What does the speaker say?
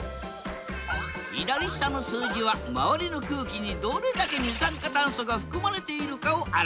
左下の数字は周りの空気にどれだけ二酸化炭素が含まれているかを表している。